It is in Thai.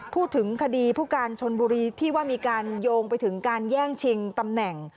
พูดถึงคดีผู้การชนบุรีที่ว่ามีการโยงไปถึงการแย่งชิงตำแหน่ง